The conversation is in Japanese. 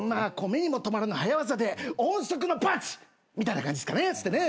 目にも留まらぬ早業で音速のパンチ！みたいな感じっすかねっつってね。